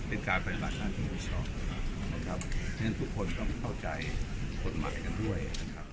เป็นการปรบิบัตินานที่มีชอบทุกคนต้องเข้าใจผลหมายกันด้วย